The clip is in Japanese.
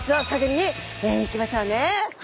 はい。